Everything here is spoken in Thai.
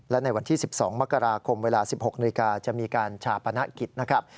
และในวันที่๑๒มกราคมเวลา๑๖นาฬิกาจะมีการชาปนกิจนะครับ